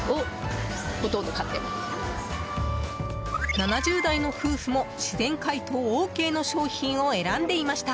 ７０代の夫婦も自然解凍ＯＫの商品を選んでいました。